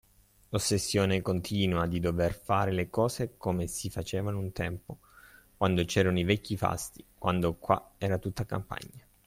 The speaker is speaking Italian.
L’ossessione continua di dover fare le cose come si facevano un tempo, quando c’erano i vecchi fasti, quando qua era tutta campagna.